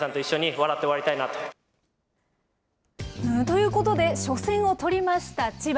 ということで、初戦を取りました千葉。